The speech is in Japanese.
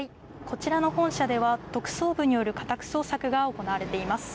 こちらの本社では、特捜部による家宅捜索が行われています。